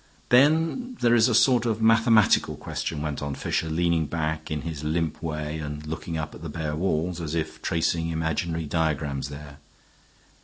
"Then there is a sort of mathematical question," went on Fisher, leaning back in his limp way and looking up at the bare walls, as if tracing imaginary diagrams there.